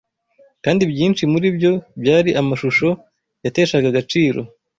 kandi byinshi muri byo byari amashusho yateshaga agaciro